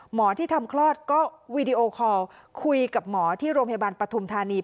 หมอที่ทำคลอดก็วีดีโอคอลคุยกับหมอที่โรงพยาบาลปฐุมธานี